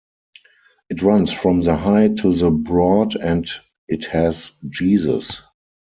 It runs from the High to the Broad and it has Jesus.